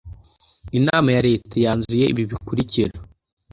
inama ya leta yanzuye ibi bikurikira